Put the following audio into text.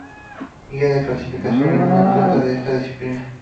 Guinea clasificó a una atleta en esta disciplina.